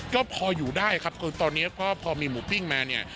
ก็พออยู่ได้ครับคือตอนนี้ก็พอมีหมูปิ้งมาเนี่ย